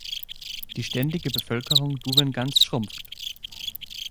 Die ständige Bevölkerung Dunvegans schrumpft.